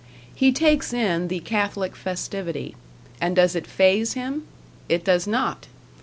He takes in the Catholic festivity; and does it phaze him? It does not!